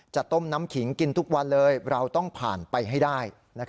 จะต้มน้ำขิงกินทุกวันเลยเราต้องผ่านไปให้ได้